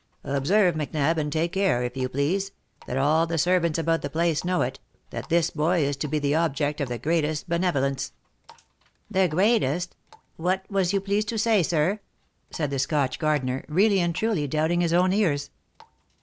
22 THE LIFE AND ADVENTURES Observe, Macnab, and take care, if you please, that all the servants about the place know it, that this boy is to be the object of the greatest benevolence." " The greatest — what was you pleased to say, sir V said the Scotch gardener, really and truly doubting his own ears.